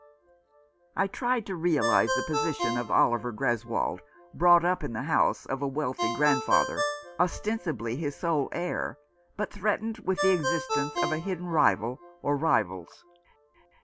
I tried to realize the position of Oliver Greswold — brought up in the house of a wealthy grand father, ostensibly his sole heir, but threatened with the existence of a hidden rival, or rivals.